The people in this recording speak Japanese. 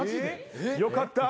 よかった！